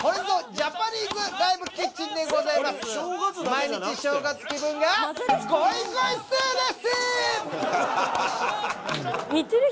毎日正月気分がゴイゴイスーです！